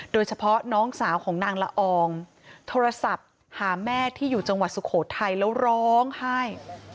โดยเฉพาะน้องสาวของนางละอองโทรศัพท์หาแม่ที่อยู่จังหวัดสุโขทัยแล้วร้องไห้